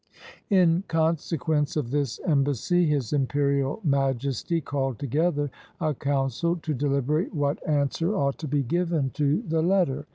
In consequence of this embassy. His Imperial Majesty called together a council to deliberate what answer ought to be given to the letter.